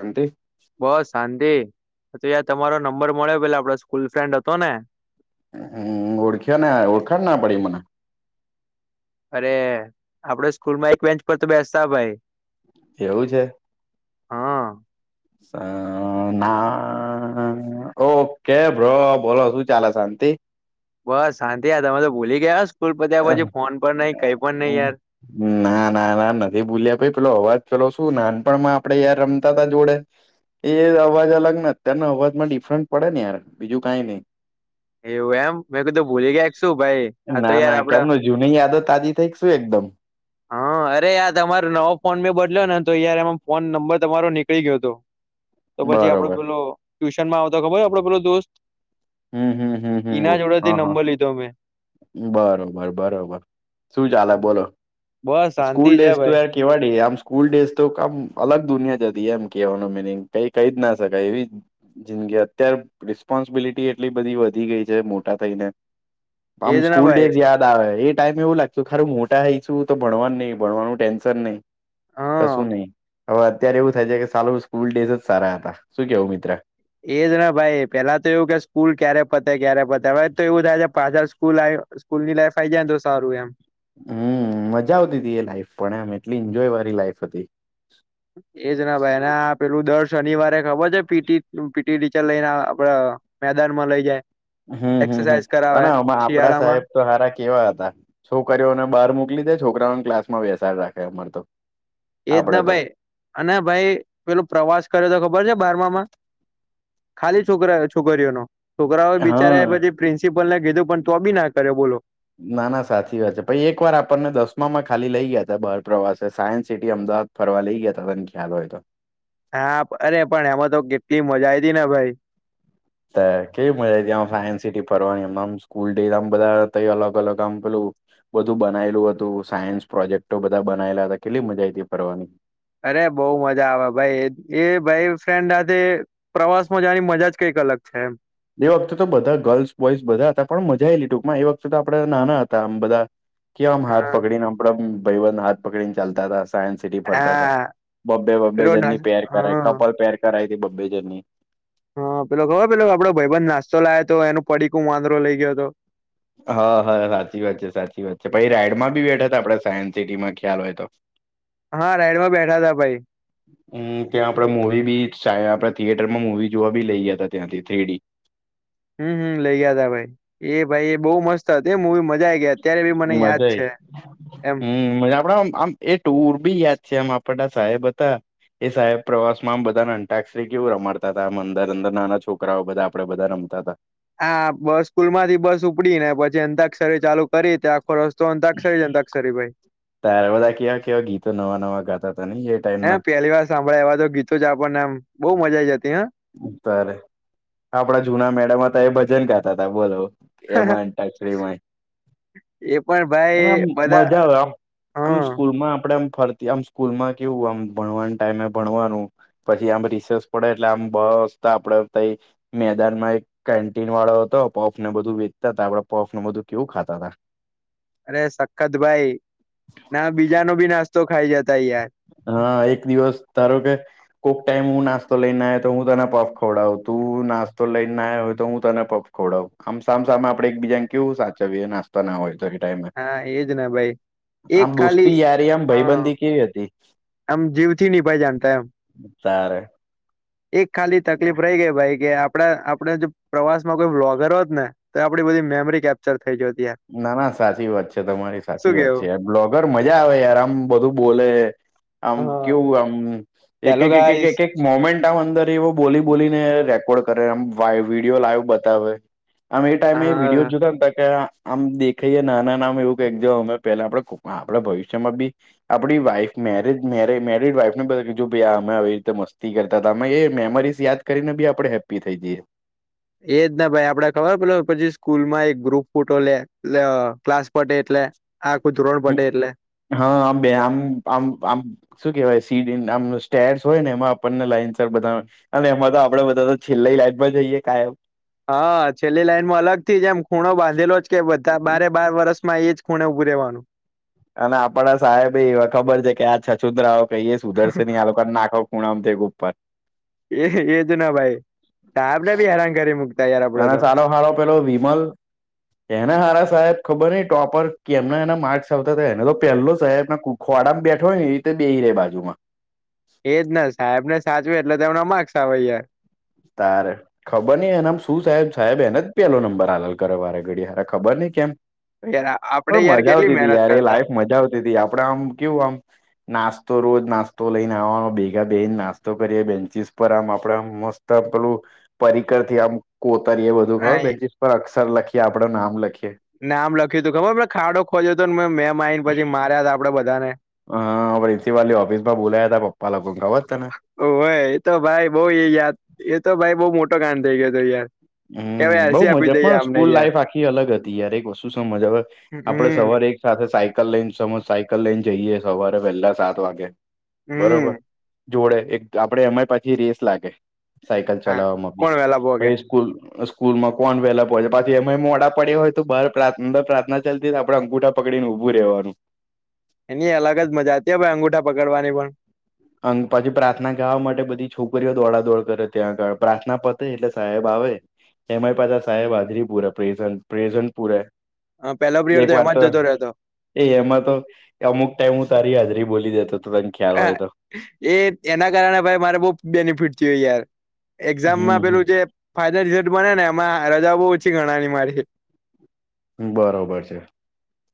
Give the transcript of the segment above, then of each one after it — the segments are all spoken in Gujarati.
શાંતિ? બસ શાંતિ. યાર તમારો નંબર મળ્યો પેલા આપડો સ્કૂલ ફ્રેન્ડ હતો ને? હહ હહ ઓળખ્યા ને ઓળખાણ ના પડી મને. અરે! આપડે સ્કૂલમાં એક બેન્ચ પર તો બેસતા ભાઈ એવું છે? હહ સ ના અ ઓકે બ્રો બોલો શું ચાલે શાંતિ? બસ શાંતિ હા તમે તો ભૂલી ગયા હહ સ્કૂલ પત્યા પછી ફોન પર નહીં, કઈ પણ નહી યાર. ના ના ના નથી ભૂલ્યા પી પેલો અવાજ પેલો શું નાનપણમાં આપડે યાર રમતા તા જોડે. એ અવાજ અલગ ને અત્યારના અવાજમાં ડિફરન્ટ પડે ને યાર બીજું કાઈ નહીં. એવું એમ. મેં કીધું ભૂલી ગયા કે શું ભાઈ આ ના તો ના યાર આપડ કેમનું જૂની યાદો તાજી થઈ કે શું એકદમ? હહ અરે યાર તમારો નવો ફોન મેં બદલ્યો ને તો યાર એમાં ફોન નંબર તમારો નીકળી ગયો તો. તો પછી આપડો બરોબર પેલો ટ્યુશનમાં આવતો ખબર હે આપડો પેલો દોસ્ત? હમ હમ હમ હમ એના ઓ જોડેથી હહ હહ નંબર લીધો મેં બરોબર, બરોબર શું ચાલે બોલો? બસ શાંતિ સ્કૂલ છે ભાઈ ડે કેવા ડે આમ સ્કૂલ ડેઝ તો કઆમ અલગ દુનિયા જ હતી, એમ કેવાનું મિનિંગ, કઈ કઈજ ના શકાય એવી જિંદગી, અત્ય્યારે રિસ્પોન્સિબિલિટી એટ એટલી બધી વધી ગઈ છે મોટા થઈને આમ એજ ને સ્કૂલ ભાઈ ડેઝ યાદ આવે એ ટાઈમ એવું લાગતુ કે હારું મોટા થઈ સુ તો ભણવાનું નહીં, ભણવાનું ટેન્શન નહીં. હા કશું નહી. હવે અત્યારે એવું થાય છે કે સાલુ સ્કૂલ ડેઝ જ સારા હતા. શું કેવું મિત્ર? એજ ને ભાઈ પેલા તો એવું કે સ્કૂલ ક્યારે પતે, ક્યારે પતે હવે તો એવું થાય છે પાછા સ્કૂલ આઈ સ્કૂલની લાઈફ આઈ જાય ને તો સારું એમ. હમ મજા આવતી તી એ લાઈફ પણ એમ એટલી ઈન્જોય વારી લાઈફ હતી. એજના એના પેલું દર શનિવારે ખબર છે પીટી પી તે ટીચર લઈને આપડ પેડર માં લઈ જાય હમ્મ હમ્મ હમ્મ, એક્સરસાઇઝ અને કરાવે હમાં આપડા સાહેબ શિયાળામાં તો હારા કેવા હતા, છોકરીઓને બહાર મોકલી દે છોકરાઓને ક્લાસ માં બેસાડ રાખે, અમાર તો એજ ના આપડે તો ભાઈ, અને ભાઈ પેલું પ્રવાસ કર્યો તો ખબર છે બારમામાં? ખાલી છોકરા છોકરીઓનો છોકરાઓ હા બિચારા પછી પ્રિન્સિપલ ને કીધું પણ તો બી ના કર્યો બોલો ના ના સાચી વાત છે, પછી એક વાર આપણને દસમામાં ખાલી લઇ ગયા હતા બાર પ્રવાસે સાયન્સ સિટી અમદાવ ફરવા લઈ ગયા તને ખ્યાલ હોય તો. હા પ અરે પણ એમાં તો કેટલી મજા આઈ તી ને ભાઈ કેવી મજા ત્યા સાયન્સ સિટી ફરવાની આમ સ્કૂલ ડે આમ બધા અલગ અલગ આમ પેલું બધું બનાયલું હતું, સાયન્સ પ્રોજેક્ટો બધા બનાયલા હતા, કેટલી મજા આ હતી ફરવાની. અરે બહુ મજા આવે ભાઈ એ ભાઈ ફ્રેન્ડ હાથે પ્રવાસમાં જાની મજા કંઈક અલગ છે એમ એ વખતે તો બધા ગર્લ્સ બોયસ બધા હતા, પણ મજા આયેલી ટૂંકમાં એ વખતે તો આપડે નાના હતા આમ બધા. કેવા આમ હાથ હા પકડીને આપડા ભાઈવંધ હાથ પકડીને ચાલતા હતા, સાયન્સ ફરતા હતા, હા બબ્બે બબ્બે પેલો નાસ જનની પેર કરાય, હા કપલ પેર કરાઈ બબ્બે જનની. હા પેલો ખબર પેલો આપડો ભાઈબંધ નાસ્તો લયાતો, એનું પડીકું વાંદરો લઈ ગયો હતો. હા હા સાચી વાત છે, સાચી વાત છે, પછી રાાયડ માં બી બેઠા હતા આપડે, સાયન્સ સિટીમાં ખ્યાલ હોય તો [inaudible] હા રાઈડ માં બેઠા હતા ભાઈ હમ્મ ત્યાં આપડે મુવી બી ચ આપડે થિયેટર માં મુવી જોવા બી લઇ ગયા હતા ત્યાંથી થ્રી ડી હમ્મ હમ્મ લઇ ગયા તા ભાઈ, એ ભાઈ એ બહુ મસ્ત સાચે મુવી મજા આવી ગયા, અત્યારે બી મને મજા યાદ આઈ છે એમ હમ મજા આપડે આમ આમ એ ટુર બી યાદ છે આમ આપડા સાહેબ હતા. એ સાહેબ પ્રવાસ માં આમ બધાને અંટાક્ષરી કેવું રમાડતા હતા, આમ અંદર અંદર નાના છોકરાઓ બધા. આપડે બધા રમતા હતા હા બસ સ્કૂલ માંથી બસ ઉપડી ને પછી અંધાક્ષરી ચાલુ કરી, તે આખો રસ્ તો અતાક્ષરી જ અતાક્ષરી ભાઈ તારે બધા કેવા કેવા ગીતો નવા નવા ગાતા તા નહી એ ટાઈમ હે ના પહેલી વાર સાંભળે એવા તો ગીતોજ આપણ ને એમ, બહુ મજા જતી હ તારે આપડા જુના મેડમ હતા એ ભજન ગાતા હતા બોલો એમાં અંતાક્ષરીમાં એ પણ ભાઈ એમા આમ બધા મજા આવે આમ, આમ હા સ્કૂલ માં આપડે આમ ફરતી આમ સ્કૂલમાં કેવું આમ ભણવાના ટાઈમે ભણવાનું, પછી આમ રિસર્ચ પડે એટલે આમ બસ્ તો આપડે તઈ મેદાન માં એક કેન્ટીન વાળો હતો, પફ ને બધું વેચતા હતા આપડ પફ ને બધું કેવું ખાતા હતા. અરે સખત ભાઈ, ના બીજા ન ભી નાસ્તો ખાઈ જતા યાર હા એક દિવસ તારો કે કોઈક ટાઈમ હું નાસ્તો લઈને નઈ આયો તો હું તને પફ ખવડાવું, તું નાસ્તો લઈને નહિ આવ્યો હોય તો હું તને પફ ખોવડાવુ આમ સામ સામે આપે એકબીજાને કેવું સાચવીએ નાસ્તો ના હોય તો હા એજ ને ભાઈ આમ એક ખાલી દોસ્તી યારી આમ હા ભાઈબંધી કેવી હતી. આમ જીવથી નિનીભાઈ જાણતા એમ. તારે એક ખાલી તકલીફ રહી ગઈ, ભાઈ કે આપડા આપણે જો પ્રવાસમાં કોઈ બ્લોગર હોત ને તો આપડી બધી મેમરી કેપ થઈ જયો હતી ના ના સાચી વાત છે તમારી સાચી શું વાત છે. કેવું બ્લોગર મજા આવે યાર આમ બધું બોલે આમ હા કેવું આમ એક હેલો એક ગાઈસ એક એક મોમેન્ટ આ અંદર એવો બોલી બોલીને રેકોર્ડ કરેમ વિડીયો લાઈવ બતાવે અમે એ ટાઈમે એ વિડીયો હા જોતાને હતા આમ દેખાઈએ ના એવું અમે પેલા આપડે આપડે ભવિષ્યમાં બી આપણી વાઈફ મેરી મે મેરડ વાઇફ ને બધા જો ભ અમે આવી રીતે મસ્તી કરતા હતા અમે એ મેમરીઝ યાદ કરીને બી આપણે હેપી થઈ જઈએ. એજ ના ભાઈ આપડે ખબર પેલુ પછી સ્કૂલ માં એક ગ્રુપ ફૂટો લે ક્લાસ પટે એટલે આા કોઈ ધોણ પડે એટલે. હા બે આમ આમ આમ શું કેવાય સીડીમ સ્ટેસ હોય ને એમાં આપણને લાઈનસર બધા અને એમાં તો આપડે બધા તો છેલ્લા લાઈન પર જઈએ કાયમ હા છેલ્લી લાઈનમાં અલગ થી જ એમ ખૂણો બાંધેલો જ કે બધા બારે બાર વરષ માં એ જ ખૂણે ઉભું રહેવાનું. અને આપડા સાહેબ એવા ખબર છે કે આ છછુદરાઓ કહીએ સુદર્શ આ લોકોને નાખો [unintelligible] એ એજ ના ભાઈ સાહેબ ને બી હેરાન કરી મૂ અને સારો હાળો પેલો વિમલ એને હારા સાહેબ ખબર ની ટોપર કે એમના એના માર્ક્સ આવતા હતા એને તો પહેલો સાહેબ ખોડામાં બેઠોય એ રીતે બેહી રહે બાજુમાં એજ ને સાહેબ ને સાચવે એટલે તેમના માકર્સ આવે છે. તારે ખબર નય એનામ શું સાહેબ સાહેબ એને જ પેલો નંબર હલલ કરે વારે ઘડીરે ખબર નય કેમ યાર આપડે પણ યાર મજા કેટલી આવતી તી મહેનત યાર એ કરતા લાઈફ મજા આવતી તી આપડે આમ કેવું આમ નાસ્તો રોજ નાસ્તો લઈને આવવાનો ભેગા બેહેને નાસ્તો કરી બેન્ચિસ પર આમ આપડે મસ્ત ત પેલું પરિકરથી આમ કોતરી એ બધું ખબર આઈ બેન્ચિસ પર અક્ષર લખી એ આપડે નામ લખીએ નામ લખ્યું તું ખબર ખાડો ખોજ્યો હતો મેમ આવીને પછી માર્યા હતા આપડે બધાને. હા પ્રિન્સિપાલ ની ઓફિસ માં બોલાયા હતા પપ્પા લોકોને ખબર છે તને હોવે એ તો ભાઈ બઉ એ યાદ એ તો ભાઈ બહુ મોટો કાંડ થઈ ગયો હતો યાર કે હમ ભાઈ બઉ એલસી આપી મજા દઈએ પણ આમને સ્કૂલ યાર લાઈફ આખી અલગ હતી યાર એક વસ્તુ સમજા આવે આપડે હમ સવારે એક સાથે સાયકલ લઈને સમજ સાયકલ લઈને જઈએ સવારે પહેલા સાત વાગે હમ બરોબર જોડે એક આપડે એમાં પાછી રેસ લાગે સાયકલ હા ચલાવવામાં કોણ વેલા ભોગે બી સ્કૂલ સ્કૂલ માં કોણ વહેલા પહોંચ એમા મોડા પડ્યા હોય તો પ્રાર્થના [unintelligible] આપડે અંગૂઠા પડીને ઉભું રહેવાનું. એની અલગ જ મજા છે ભાઈ અંગૂઠા પકડવાની પણ અ પછી પ્રાર્થના ગાવા માટે બધી છોકરીઓ દોડાદોડ કરે ત્યાં આગળ પ્રાર્થના પતે એટલે સાહેબ આવે એમાં પાછા સાહેબ હાજરી પુરે પ્રેઝન પ્રેઝન પૂરે. હ પેલો પીરીયડ એક તો વાર એમાં જતો રહેતો. એ એમાં તો અમુક ટાઈમ હું તારી હાજરી બોલી દેતો તને ખ્યાલ હોય તો એ એના કારણે ભાઈ મારે બો બેનિફિટ થીયુ યાર હમ એક્ઝામમાં પેલું જે ફાઈનલ રિઝલ્ટ બને ને એમાં રજા બહુ ઓછી ગણાતી મારી બરોબર છે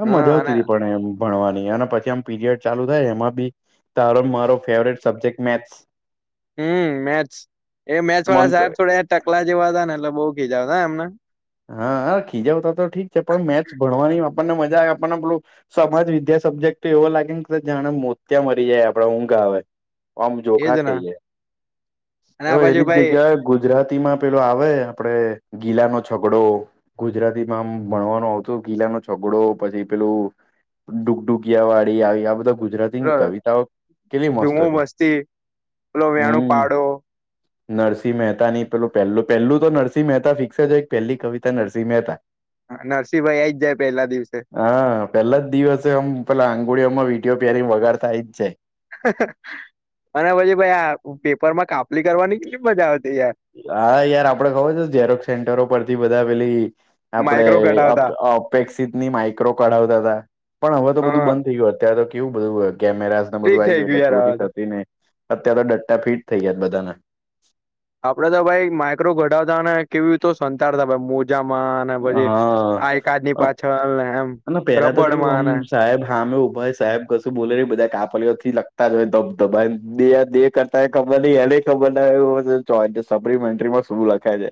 આમ હા મજા આવતી અને હતી પણ એમ ભણવાની અને પછી આમ પીરિયડ ચાલુ થાય એમાં બી તારો મારો ફેવરેટ સબ્જેક્ટ મેથ્સ હમ મેસ-' એ મેસ મન વાળા તો સાહેબ થોડ ટકલા જેવા હતાા ને એટલે બઉ ખીજા હતા એમને હા હા ખીજાવતા તો ઠીક છે પણ મેચ ભણવાની આપણને મજા આવે આપણને પેલું સમાજ વિદ્યા સબ્જેક્ટ તો એવો લાગે ને કે જાણે મોત્યા મરી જાય આપડ ઊંઘ આવે. આમ એજ જોખા ને ખાઈએ અને આ બાજુ એવી ભાઈ જગ્યાએ ગુજરાતી માં પેલો આવે આપડે ગીલા નો છગડો ગુજરાતીમાં આમ ભણવાનો આવતો ગીલા નો છગડો પછી પેલું ડુગડુગિયા વાળી આવી આ બધા ગુજરાતી ની કવિતાઓ કેલી મસ્ત જુમો હતી મસ્તી પેલો વેણું હમ. પાડો નરસિંહ મહેતાની પેલું પહેલું પહેલું તો નરસિંહ મહેતા ફિક્સ છે. પહેલી કવિતા નરસિંહહે હતા. નરસિંહભાઈ આ આવી જાય પહેલા દિવસે. હા પેલા જ દિવસે આમ પેલા આંગુળીઓમાં વિડીયો પેરિંગ વગાર થાય જ જાય. અને પછી ભાઈ આ પેપર માં કાપલી કરવાની કેટલી મજા આવતી યાર હા યાર આપડે ખબર છે ઝરોક સેન્ટરો પરથી બધા પેલી આપડે. માઇક્રો ઘટાવતા એપેસીતની માઇક્રો કાઢાવતા હતા પણ હવે તો બધું હા બંધ થઈ ગયું અત્યારે તો કેવું બધું કેમેરા ઠીક બધું આવી થઈ ગયું યાર એટલે ચોરી હવે તો થતી ને અત્યાર તો ડટ્ટા ફીટ થઈ ગયા બધાના આપડે તો ભાઈ માઈક્રો ઘઢાવતાને કેવી તો. સંતાારતાાઈ મોજામાં ને પછી આઈ કાર્ડની પાછળ ને એમ હા પેલા તો કેવું આમ રબડમાં ને સાહેબ હા અમે ઉભા સાહેબ કશું બોલે નહી બધા કાપલીઓ થી લગતા જ હોય ધબધબ બે દ કરતા ક એને ખબર સપ્મેન્ટમાં શું લખાય છે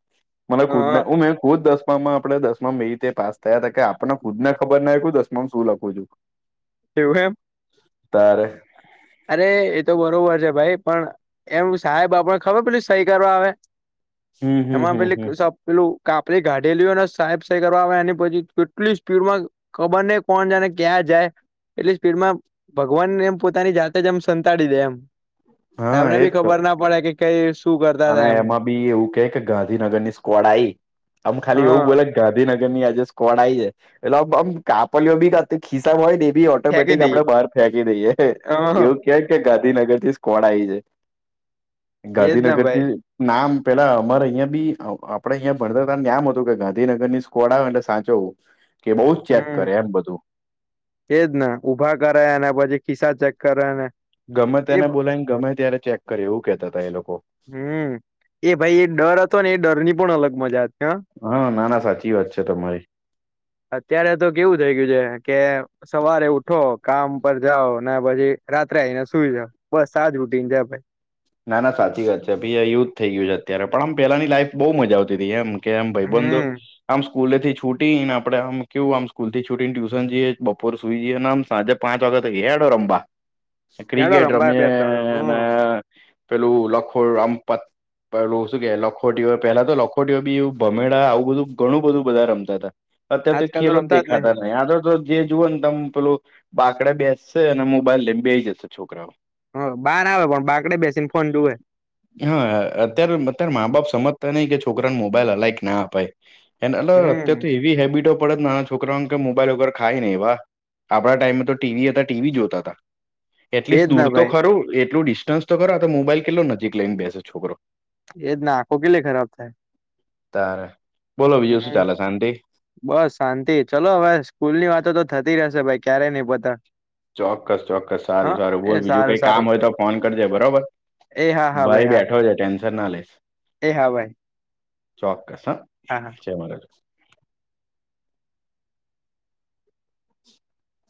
મને ખુદ ને હા હું મે ખુદ માં આપણે દસમા મે રીતે પાસ થયા હતા કે આપણે ખુદને ખબર ના કો દમામાં શું લખું છું. [inaudible] એવું હમ. તારે અરે એ તો બરોબર છે ભાઈ પણ એમ સાહેબ આપડ ખબર પેલી સહી કરવા આવે. હમ હમ એમાં હમ પેલી હમ સ. પેલુંાપડી ગાઢેલીઓને સાહેબ કરવા આવે પછી કેટલી સ્પીડમાં ખબર નહ કોણ જાય ને ક્યાં જાય એટલી સ્પીડ માં ભગવાનને એમ પોતાની જા એમ સંતાડી દે એમ હા એમને એજ બી તો ખબર ના પડે કે કઈ શું કર- અને એમાં બી એવું કે કે ગાંધીનગર ની સ્કવોડ આઈ આમ ખાલી એવું હા બોલે ગાંધીનગર ની આજે સ્કોડ આઈ છે એટલે આમ કાપલીઓ બી ખિસ્સા હોય ને એ બી ફેંકી ઓટોમેટિક દઈએ આપણેે બહાર ફેંકી દઈએ હ એવું. કે કે ગાંધીનગર થી સ્ કોડ આવી છે એજ ના ગાંધીનગ ભાઈ નામ પેલા અમારે અહિયાં બી આપડે અહિયાં ભણતરતા નામ હતું કે ગાંધીનગર ની ડાવ એટલે સાચવવું કે બઉુ જ ચેક હમ કરે એમ બધું. એજ ને ઉઊભા કરે અને પછી ખિસ્સા ચેક કરે ને ગમે એ તેને બોલાને ગમે ત્યારે ચેક કરી એવું કેહેતા હતા એ લોકો હમ એ ભાઈ એ ડર હતો ને એ ડર ની પણ અલગ મજા હતી. હા નાના સાચી વાત છે તમારી. અત્યારે તો કેવું થઇ ગયું છે કે સવારે ઉઠો કામ પર જાઓ ને પછી રાત્રે આવીઈને સુઈ જાાવ બસ આજ રૂટીિન છે ભાઈ ના ના સાચી વાત છે ભી યુથ થઈ ગયું છે અત્યારે પણ આમ પેલાની લાઈફ બહ મજા આવતી હતી એમ કે એમ ભાઈ ભાયબદો હમ આમ સ્કૂલે થી છૂટી ને આપડે આમ કેવું આમ સ્કૂલ છૂટી ને ટ્યુશન જઈએ બપોર સુઈ જઈએ અને આમ સાંજે પાંચ વાગત હડ રબા ચાલો ક્રિકેટ રમવા બે દડો રમ્યા હ ને પેલું લાખોર આમપત પપેલુ શું કે લખોટીઓ પેલા તો લખોટીઓ બી ભમેળા આવું બધું ઘણું બધું બધા રમતા હતા. અત્યારે તો આજકાલ ખેલો રમતા જ દેખાતા નહી આ જે જુઓ ને તમ પેલું બાકડાે બેસશે અને મોબાઈલ લેમ બેઈ જશે છોકરાઓ. હ બાર આવે પણ બાકડે બેસી ને ફોન જુવે હા અત્યારે અત્યારે મા બાપ સમજતા નઈ કે છોકરાને મોબાઈલ અલાયક ના અપાય એને એ હમ અત્યારે તો એવી હેબિટો પડ નાના છોકરા કે મોબાઈલ વગર ખાય ને એવા આપણા ટાઈમેમાં તો ટીવી હતા ટીવી જોતા હતા. એજ એટલીસ્ટ દૂર ના તો ભાઈ ખરું એટલું ડિસ્ટન્સ તો ખરો તો મોબાઈલ કેટલો નજીક લઈ ને બેસે છોકરો એજ નાખો કેટલે ખરાબ થાય. તારે બોલો બીજું શું હમ ચાલે શાંતિ. બસ શાંતિ ચાલલો હવે સ્કૂલ ની વાતો તો થતી રહેશે ભાઈ ક્યારે નઈ પોતા. ચોક્કસ ચોક્કસ સારું સારું એ બોલ બીજું સારું કઈ સારું કામ હોય તો ફોન કરજે બરોબર. એ હા હા ભાઈ હા. જર્નાલીસ એ હા ભાઈ. ચોક્કસ હ હા હા જય માતાજી. [inaudible]